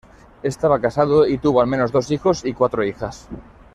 Estaba casado y tuvo al menos dos hijos y cuatro hijas.